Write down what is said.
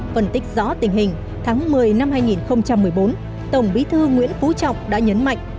phân tích rõ tình hình tháng một mươi năm hai nghìn một mươi bốn tổng bí thư nguyễn phú trọng đã nhấn mạnh